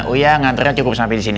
udah undang om dateng kesini